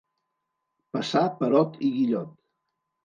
Passar Perot i Guillot.